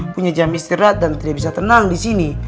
punya jam istirahat dan tidak bisa tenang disini